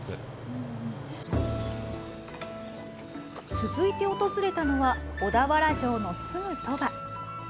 続いて訪れたのは、小田原城のすぐそば。